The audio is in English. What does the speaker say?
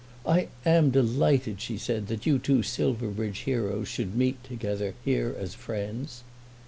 "I am delighted," she said, "that you two Silverbridge heroes should meet together here as friends."